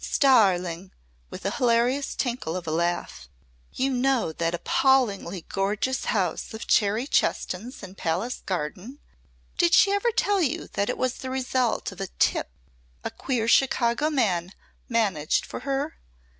Starling!" with a hilarious tinkle of a laugh, "you know that appallingly gorgeous house of Cherry Cheston's in Palace Garden did she ever tell you that it was the result of a 'tip' a queer Chicago man managed for her?